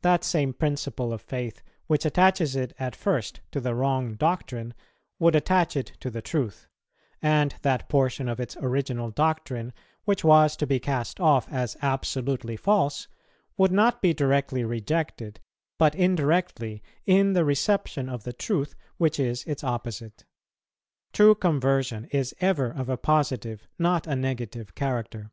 That same principle of faith which attaches it at first to the wrong doctrine would attach it to the truth; and that portion of its original doctrine, which was to be cast off as absolutely false, would not be directly rejected, but indirectly, in the reception of the truth which is its opposite. True conversion is ever of a positive, not a negative character."